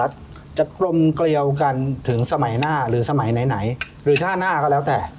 จะกลมเกลียวกันถึงสมัยหน้าหรือสมัยไหนหรือท่าหน้าก็แล้วแต่